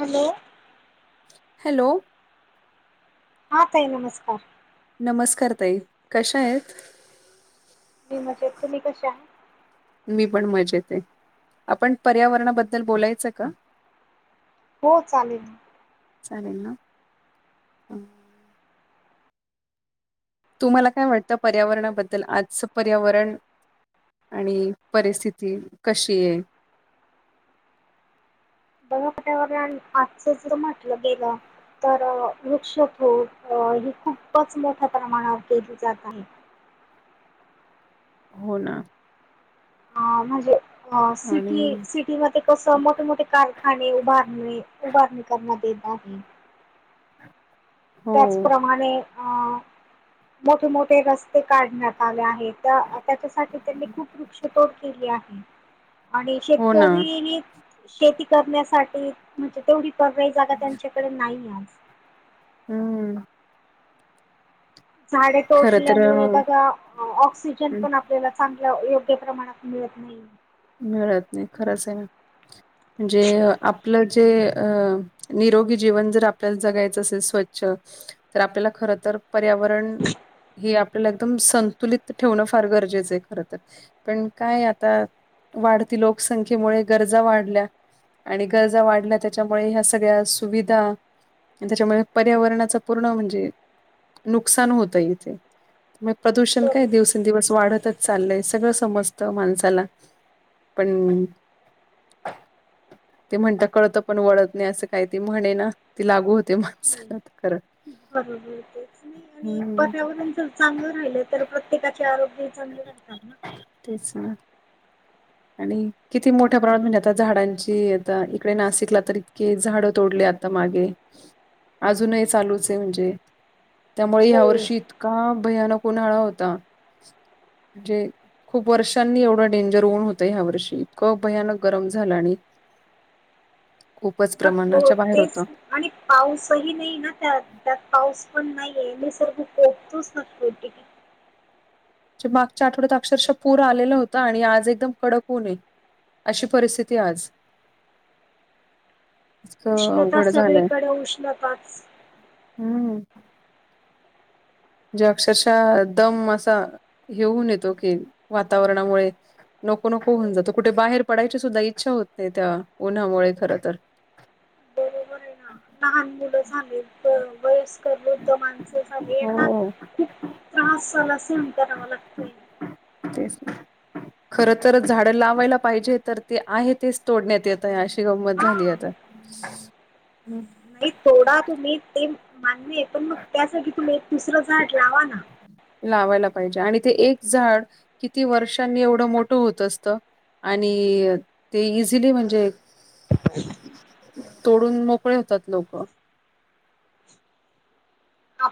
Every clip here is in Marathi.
हॅलो हॅलो हा ताई नमस्कार नमस्कार ताई कशा आहेत? मी मजेत तुम्ही कशा आहे? मी पण मजेत आहे आपण पर्यावरणाबद्दल बोलायचं का? [inaudible] हो चालेल चालेल ना अं, तुम्हाला काय वाटतं पर्यावरणाबद्दल आजचं पर्यावरण? आणि परिस्थिती कशी आहे? दहापटावर आजचं जर म्हटलं गेलं तर वृक्षतोड ही खूपच मोठ्या प्रमाणावर केली जात आहे. हो ना अ म्हणजे अ सिटी आणि सिटी मध्ये कसं मोठे मोठे काय खाणे उभारणे उभारणे करणा देता आहे हो, त्याचप्रमाणे अ मोठे मोठे रस्ते काढण्यात आले आहेत त्याच्यासाठी त्यांनी खूप वृक्षतोड केली आहे आणि हो ना. शेतकरी शेती करण्यासाठी म्हणजे तेवढी परवाई जागा त्यांच्याकडे नाही आज हम्म झाडे खरं तर तोडल्यामुळे अं, बघा- ऑक्सिजन हं, पण आप त्याला चांगला योग्य प्रमाणात मिळत नाही मिळत नाही खरंच आहे ना म्हणजे आपलं जे अ निरोगी जीवन जर आपल्या जगायचं असेल स्वच्छ तर आपल्याला खर तर पर्यावरण हे आपल्याला एकदम संतुलित ठेवणं फार गरजेचं आहे खर तर पण काय आता वाडती लोकसंख्येमुळे गरजा वाडल्या आणि गरजा वाढल्या त्याच्यामुळे ह्या सगळ्या सुविधा आणि त्याच्यामुळे पर्यावरणाच पूर्ण म्हणजे -नुकसान होतय इथे म प्रदूषण काय बरोबर. दिवसेंदिवस वाढतच चाललंय सगळं समजतं माणसाला पण ते म्हणता कळत पण वळत नाही असं काही ते म्हणे ना ती लागू होते हो माणसाला खरं. बरोबर तेच नाही आणि हम्म पर्यावरण जर चांगलं राहिलं तर प्रत्येकाचे आरोग्य चंद राहतात ना तेच ना आणि किती मोठ्या प्रमाणात म्हणजे आता झाडांची आता इकडे नाशिकला तर इतके झाडं तोडले त [unintelligible] मागे अजूनही चालूचय म्हणजे त्यामुळे हो. ह्या वर्षी इतका-आ भयानक उन्हाळा होता जे खूप वर्षांनी एवढं डेंजर होऊन हो त ह्या वर्षी कं भयानक गरम झाल आणि खूपच [unintelligible] [inaudible] बाहेर होतं. तेच आणि पाऊसही नई ना त्यात त्यात पाऊस पण नाहीये मी [unintelligible] [inaudible] [unintelligible] ज मागच्या आठवड्यात अक्षरशः पूर आलेला होत आणि आज एकदम कडक उनय अशी परिस्थिती आज इतकं उष्णता अवघड झालंय. सगळीकडे उष्णताच हम्म जे अक्षरशः दम असा हेऊन येतो की वातावरणामुळे नको नको होऊन हो. जातो कुठे बाहेर पडायची सुद्धा इच्छा होत नाही त्या उन्हामुळे खर तर [unintelligible] बरोबर आहे ना लहान मुलं झाले [unintelligible] वयस्कर बुद्धमान [unintelligible] झा यांना हो खूप त्रास झाला असेण करावा लागतय [unintelligible] खर तर झाड लावायला पाहिजे तर ते आहे तेच तोडण्यात येतं आहे अशी गंमत हा झाली आता नाही थोडा तुम्ही ते मान्य आहे पण मग त्यासाठी तुम्ही एक दुसरं झाड लावा ना लावायला पाहिजे आणि ते एक झाड किती वर्षांनी एवढं मोठं होत असत. आणि- ते इझिली म्हणजे तोडून मोकळे होतात लोकं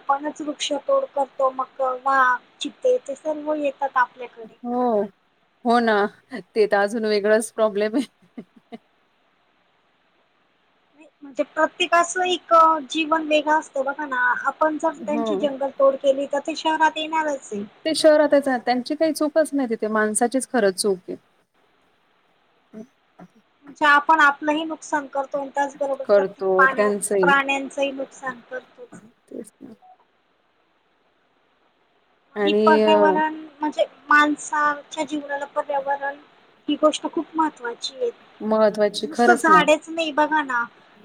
आपणच वृक्षतोड करतो मग वा [unintelligible] चितिततेचे सर्व येतात आपल्याकडे नाही, हो हो ना ते तर अजून वेगळंच प्रॉब्लेमय म्हणजे प्रत्येकाच एक जीवन वेगळ असतं बघा ना आपण जर त्यांची हो जंगल तोड केली तर ते शहरात येणारचय ते शहरातच त्यांची काही चूकच नाही तिथे माणसाचीच खरंच चूकय म्हणजे आपण आपलंही नुकसान करतो त्याचबरोबर करतो प्रत्येक [unintelligible] त्यांचही प्राण्यांचहीक सांग [unintelligible] करतोच [unintelligible] तेच [unintelligible] आणि पर्यावरण म्हणजे माणसा-च्या जीवनाला पर्यावरण ही गोष्ट खूप महत्त्वाचीय महत्त्वाची नुसतं खरंच ना झाडे नाही बघा ना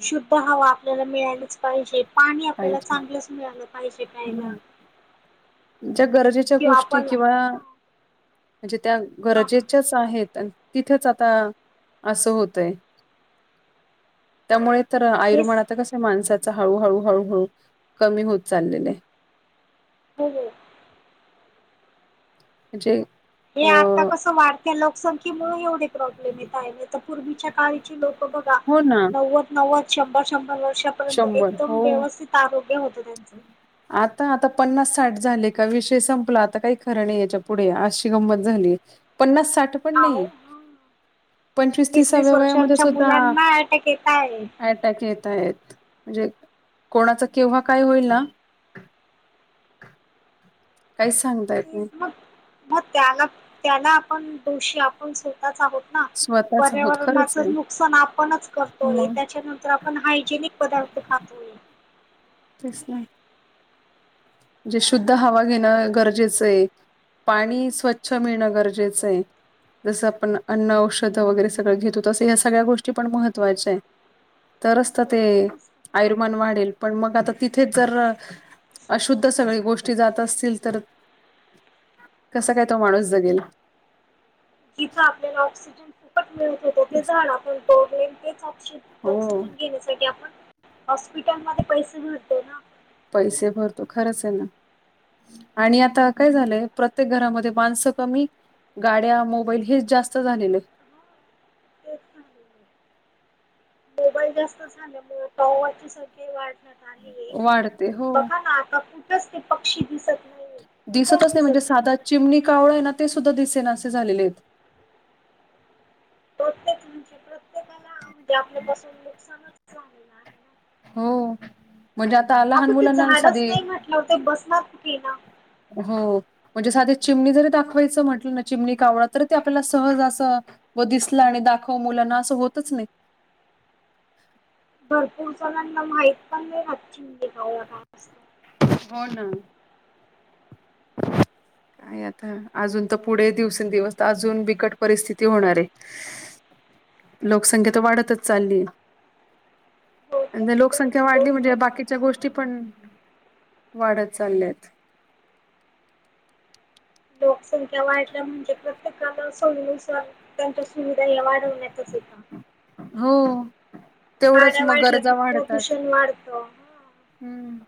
शुद्ध हवा आपल्याला मिळायलाच पाहिजे पाणी आपल्याला पाहिजे चांगलंच मिळालं पाहिजे का् प्यायला हं, ज्या गरजेच्या किंवा गोष्टी आपण किंवा हा म्हणजे त्या हा गरजेच्या आहेत तिथेच आता असं होतंय त्यामुळे तर आयुर्माना हेच आता कस माणसाच हळूहळू हळूहळू कमी होत चाललेले आहे हो हो म्हणजे हे अ आता कसं वाढतय लोकसंख्येमुळे एवढे प्रॉब्लेम येत आहे पूर्वीच्या काळ लोक बघा हो ना नव्व नव्व शंभर शंभर वर्षापर्यंत शंभर एकदम हो व्यवस्थित आरोग्य होतं त्यांच आता आता पन्नास साठ झाले का विषय संपला आता काही खरं नाही याच्या पुढे आशी गंमत झालीय पन्नास साठ पण अहो नई पंचवीस वीस वीस तिसाव्या वयामध्ये वर्षांच्या सुद्धा मुलांना अटॅक येत आहे [unintelligible] [unintelligible] येत आहेत म्हणजे कोणाच केव्हा काय होईल ना [unintelligible] काईच सांगता येत ते नई मग मग त्याला त्याला आपण दोषी आपण स्वतःच आहोत स्वतः पर्यावरणाच नुकसान आपणच करतोय मग त्याच्यानंतर आपण हायजेनिक पदार्थ खातोय तस ना म्हणजे शुद्ध हवा घेणं गरजेचं आहे पाणी स्वच्छ मिळणं गरजेचं आहे जसं आपण अन्न औषध वगैरे सगळं घेतो तसं ह्या सगळ्याोष्टी पण महत्वाच्या आहेत तरच तर ते तेच आयुमान वाढेल पण मग आता तिथेच जर अशुद्ध तर सगळी गोष्टी जात असतील तर कसं काय तो माणूस जगेल जिथ आपल्याला ऑक्सिजन फुकट मिळत होत तेिणो तेऑ हो ऑक्सिजन घेण्यासाठी आपण हॉस्पिटलमध्ये पैसे भडतो ना पैसे भरतो खरंच आहे ना आणि आता काय झालंय प्रत्येक घरामध्ये माणसं कमी गाड्या मोबाईल हेच जास्त झालेलं तेच मोबाल जास्त झाल्या पची संख्या वाढ आहे वाढते हो बघा ना आताठ ते पक्षी दिसत नाही कुठेच दिसतच नाही दिसत म्हणजे साधा चिमणी कावळ आहे ना ते सुद्धा दिसे ना असे झालेले आहेत प्रत्येकची प्रत्येकाला म्हणजे आपल्या पाासून नुकसानच झालेलं आहे हो म्हणजे आता लहान मुलांना साधी व बसणार कुठे ना हो म्हणजे साध्या चिमणी जरी दाखवायचं म्हटलं ना चिमणी कावळ तरी ते आपल्याला सहज असं व दिसला आणि दाखव मुलांना असं होतच नाही भरपूर जणांना माहित पण नाही खात चिंडी गाऊ हो ना आता अजून तर पुढे दिवसेंदिवस अजून बिकट परिस्थिती होणार आहे लोकसंख्या तर वाढतच चालली हो म्हजे तेच तर लोकसंख्या तोच वाढली म्हणजे तर मोठा बाकीच्या प्रश्न गोष्टी आहे. पण वाढत चालल्यात लोकसंख्या वाढल्या म्हणजे प्रत्येकाला सोडीनुसार त्यांच्या सुविधा न वाढवण्या हो तेवढच गाड्या मग वाढल्या गरजा की वाढतात. प्रदूषण वाढतं. हा. हम्म.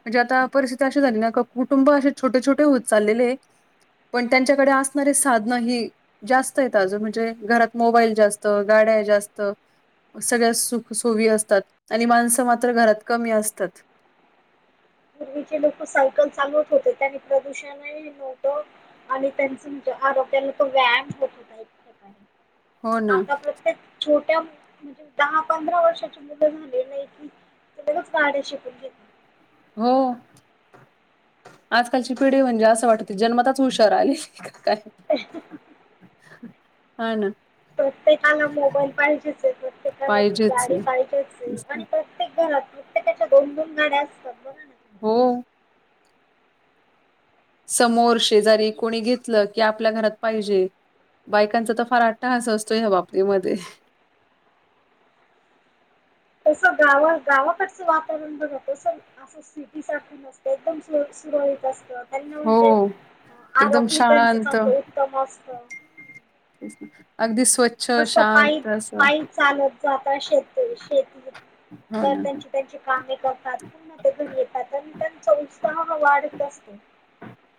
म्हणजे आता परिस्थिती अशी झाली ना, का कुटुं अ असे छोटे- छोटे होत चालले आहेत. पण त्यांच्याकडे असणारे साधन ही. जास्त आहेत आग, म्हणजे घरात मोबाईल जास्त, गाड्या जास्त. सगळ्या सुख सोयी असतात, आणि माणसं मात्र घरात कमी असतात. पूर्वीचे लोक सायकल चालवत होते त्यानी प्रदूषणही नव्हतं आणि त्यांच म्हणजे आरोग्याला तो व्यायाम होत हो हो ना. आता प्रत्येक छोट्या म्हणजे दहा पंधरा वर्षाची मुलं झालेली आहे की लगचड्या शिकून घे हो आजकालची पिढी म्हणजे असं वाटत जन्मताच हुशार आलेली काय अ. अच् [unintelligible] आहे ना. प्रत्येकाला मोबाईल पाहिजेच आहे, प्रत्येकाला ती पाहिजेच गाडी आहे. पाहिजेच आहे, तेच ना. आणि प प्रत्येक घरात प्रत्येकाच्या दोन-दोन गाड्या असतात. हो. तुम्ही समोर शेजारी कोणी घेतलं, की आपल्या घरात पाहिजे. बायकांचा तर फार आट्टाहास असतोय या बापतीमध्ये. तस गाव गावाकडचं वातावरण बघा तस सिटी सारख नसतय एकदम सु सुरळीत असतं. त्यांना म्हणजे, हो. एकदम आरोग्य ही त्यांच शांत. चांगलं उत्तम असतं. अगदी स्व मस्त पाय पाय चालत जाता शेत शेती. हो तर ना. त्यांची त्यांची कामे करतात पूर्ण ते घरी येतात आणि त्यांचा उत्साह ह वाढत असतो.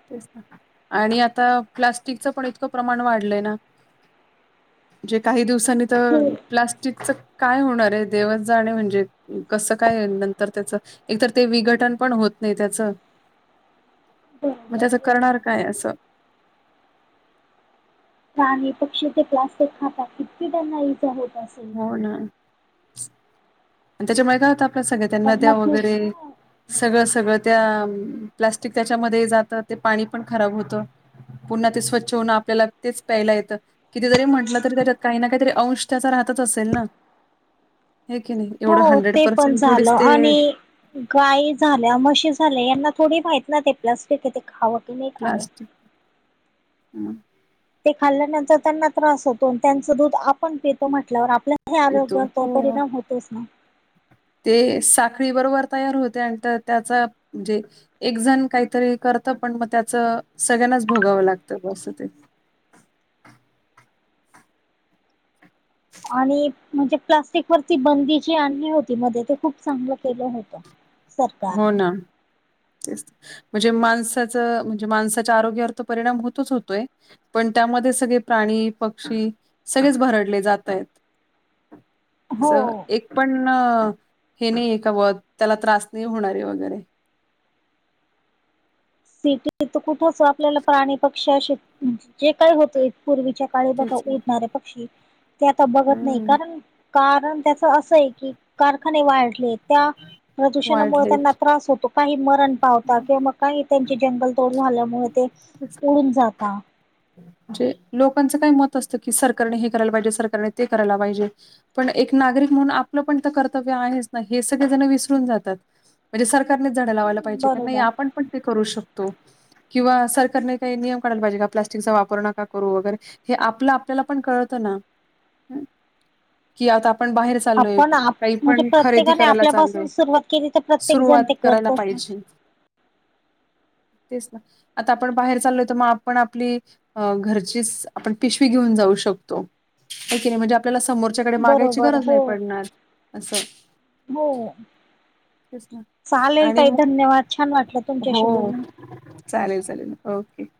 तेच ना. आणि आता प्लास्टिकचं पण इतकं प्रमाण वाढलंय ना जे काही दिवसांनी तर हो प्लास्टिकच काय होणारे देवच जाणे म्हणजे, कसं काय नंतर त्याचं एक तर ते विघटन पण होत नाही त्याच. म बरोबर त्याच तेच करणार ना काय असं. प्राणी, पक्षी ते प्लास्टिक खाता. किती त्यांना इजा होत असेल हो म्हणे. ना आणि त्याच्यामुळे काय होतं आपल सगळं त्यांना द्या वगैरे सगळं सगळं त्या प्लास्टिक त्याच्यामध्ये जातं, ते पाणी पण खराब होतं. पुन्हा ते स्वच्छ होनं, आपल्याला तेच प्यायला येतं. कितीतरी म्हटलं तरी त्याच्यात काही ना काहीतरी अंश त्याचा राहतच असेल ना. हे की नई? हो ते पण झालं आणि गाय झाल्या, मशी झाल्या यांना थोडी माहित ना ते प्लास्टिकाय ते खावं की नाही खावं प्लास्टिक म ते खाल्ल्यानंतर त्यांना त्रास होतो. त्यांच दूध आपण पीतो म्हटल्यावर आपल्या हे पितो. आरोग्यावर तो हो. परिणाम होतोच ना. ते साखळी बरोबर तयार होते आणि तर त्याचा म्हणजे एक जण काहीतरी करत पण मग त्याच, सगळ्यांनाच भोगावं लागतंं असं ते. आणि म्हणजे प्लास्टिक वरती बंदी जी आणली होती, मध्ये ते खूप चांगलं केलं होत. हो सरकारने. ना तेच म्हणजे माणसाचं म्हणजे, माणसाच्या आरोग्यावर तर परिणाम होतोच होतोय. पण त्यामध्ये सगळे प्राणी पक्षी सगळेच भरडले जात आहेत. असं हो एक पण हे नाही आहे का, वर त्याला त्रास नाही होणारे वगैरे. सिटीत खुपचं आपल्याला प्राणी पक्षी जे काय होते पूर्वीच्या सकाळी बघा तेच ना. उठणारे पक्षी ते आता बघत नाही, हम्म कारण कारण, त्याच असं आहे की कारखाने वाढलेत. त्या प्रदूषणामुळे त्यांना वाढलेच. त्रास होतो काही मरण पावता किंवा म काही त्यांचे जंगल तोड झाल्यामुळे ते उडून जातात म्हणजे लोकांचं काय मत असतं की, सरकारने हे करायला पाहिजे सरकारने ते करायला पाहिजे. पण एक नागरिक म्हणून आपलं पण तर, कर्तव्य आहेच ना हे सगळे जण विसरून जातात. म्हणजे सरकारनेच झाडं लावायला पाहिजे का नाही बरोबर आपण आपण पण ते करू शकतो किंवा सरकारने काय नियम काढायला पाहिजे का वापर नका करू वगैरे हे आप आपल्याला पण कळत ना कि आता आपण बाहेर चालूय आपण आप काही म्हणजे पण खरेदी प्रत्येकाने करायला आपल्यापासून चालूय सुरुवात केली तर प्रत्येक जण सुरुवात ते करायला करतच ना पाहिजे तेच ना आता आपण बाहेर चालोय तर मग आपण आपली घरचीच आपण पिशवी घेऊन जाऊ शकतो ओक नाही म्हणजे आपल्याला समोर च्याक मागाची बरोबर गरज नाही हो पडणार अस हो तेच ना चालेल आणि ताई मग धन्यवाद छान वाटलं तुमच्याशी हो बोलून चालेल चालेल ओके